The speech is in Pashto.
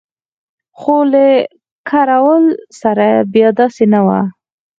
خو له کراول سره بیا داسې نه وو.